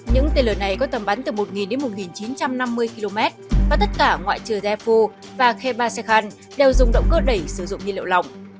những tên lửa này có tầm bắn từ một đến một chín trăm năm mươi km và tất cả ngoại trừ defun và khepa sekhan đều dùng động cơ đẩy sử dụng nhiên liệu lỏng